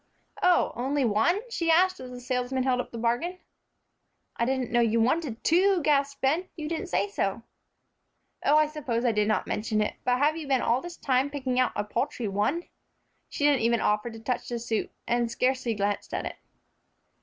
"Oh, only one?" she asked, as the salesman held up the bargain. "I didn't know you wanted two," gasped Ben; "you didn't say so." "Oh, I suppose I did not mention it. But have you been all this time picking out a paltry one?" She didn't even offer to touch the suit, and scarcely glanced at it.